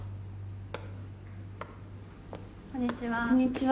こんにちは。